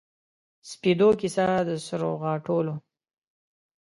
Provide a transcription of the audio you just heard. سپیدو کیسه د سروغاټولو